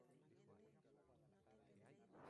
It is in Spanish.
Identificado como mujer, creció con el nombre de Jane.